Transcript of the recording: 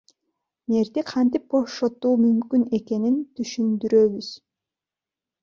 Мэрди кантип бошотуу мүмкүн экенин түшүндүрөбүз.